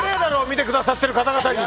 見てくださってる方々に！